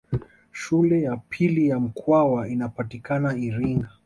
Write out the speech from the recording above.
Shule ya pili ya Mkwawa inapatikana Iringa